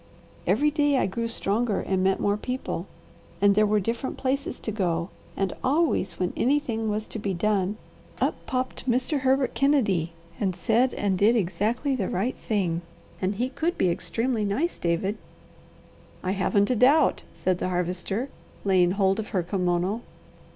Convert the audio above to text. Every day I grew stronger and met more people, and there were different places to go, and always, when anything was to be done, up popped Mr. Herbert Kennedy and said and did exactly the right thing, and he could be extremely nice, David." "I haven't a doubt!" said the Harvester, laying hold of her kimono.